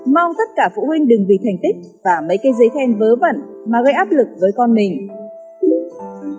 mong tất cả phụ huynh đừng vì thành tích và mấy cái giấy khen vớ vận mà gây áp lực với con mình